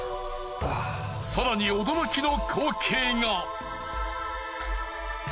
更に驚きの光景が。